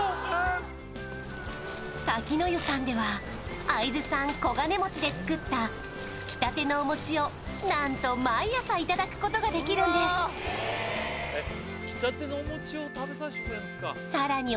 瀧の湯さんでは会津産こがねもちで作ったつきたてのお餅をなんと毎朝いただくことができるんですさらに